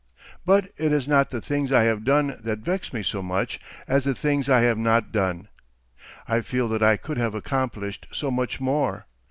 But it is not the things I have done that vex me so much as the things I have not done. I feel that I could have accomplished so much more.